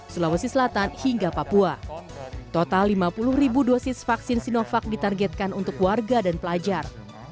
sulawesi selatan hingga papua total lima puluh ribu dosis vaksin sinovac ditargetkan untuk warga dan pelajar